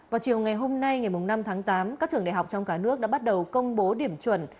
vào chiều ngày hôm nay ngày năm tháng tám các trường đại học trong cả nước đã bắt đầu công bố điểm chuẩn